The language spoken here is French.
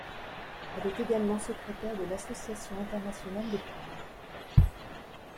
Elle est également secrétaire de Association internationale des femmes.